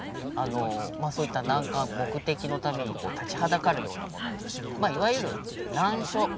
まあそういった難関目的のために立ちはだかるようなもの。